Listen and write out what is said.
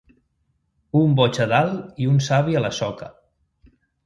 Un boig a dalt i un savi a la soca.